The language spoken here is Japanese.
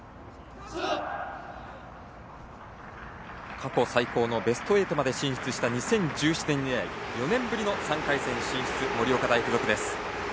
過去最高のベスト８まで進出した２０１７年以来４年ぶりの３回戦進出盛岡大付属です。